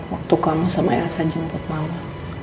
waktu kamu sama ea san jemput mama